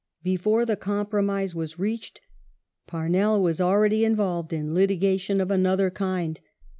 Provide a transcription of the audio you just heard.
Before the compromise was reached Parnell was already involved in litigation of another kind.